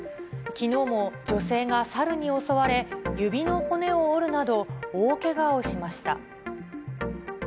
きのうも女性がサルに襲われ、指の骨を折るなど、大けがをしました。